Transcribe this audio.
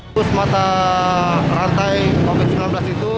terus mata rantai covid sembilan belas itu